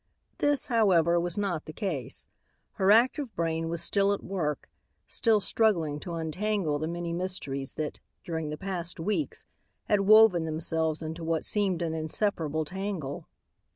This, however, was not the case. Her active brain was still at work, still struggling to untangle the many mysteries that, during the past weeks, had woven themselves into what seemed an inseparable tangle.